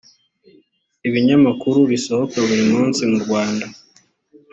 ibinyamakuru bisohoka buri munsi mu rwanda.